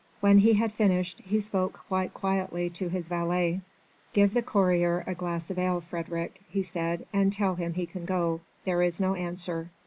When he had finished he spoke quite quietly to his valet: "Give the courier a glass of ale, Frédérick," he said, "and tell him he can go; there is no answer.